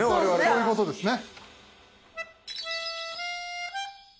そういうことですね。